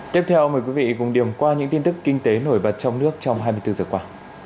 tiếp theo mời quý vị cùng điểm qua những tin tức kinh tế nổi bật trong nước trong hai mươi bốn giờ qua